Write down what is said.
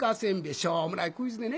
しょうもないクイズでね